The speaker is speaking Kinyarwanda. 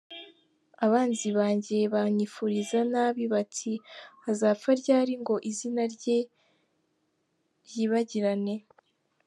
Abanzi banjye banyifuriza nabi bati “Azapfa ryari ngo izina rye ryibagirane?”